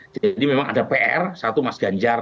jadi memang ada pr satu mas ganjar